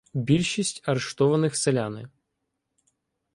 Більшість — арештованих селяни.